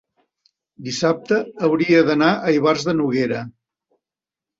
dissabte hauria d'anar a Ivars de Noguera.